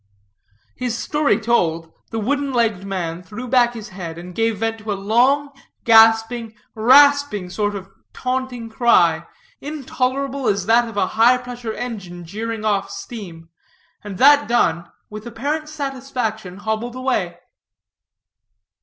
His story told, the wooden legged man threw back his head, and gave vent to a long, gasping, rasping sort of taunting cry, intolerable as that of a high pressure engine jeering off steam; and that done, with apparent satisfaction hobbled away.